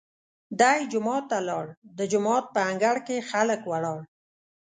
دی جومات ته لاړ، د جومات په انګړ کې خلک ولاړ.